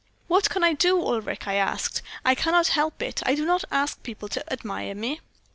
"'What can I do, Ulric?' I asked. 'I cannot help it I do not ask people to admire me.'